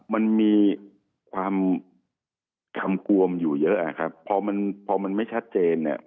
มันมีความกำกวมอยู่เยอะพอมันไม่ชัดเจนเนี่ย